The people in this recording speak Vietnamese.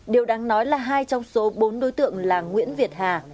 điều đáng nói là hai trong số bốn đối tượng là nguyễn việt hà